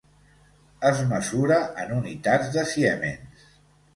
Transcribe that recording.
Es mesura en unitats de siemens.